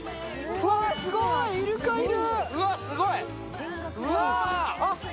うわ、すごいイルカいる。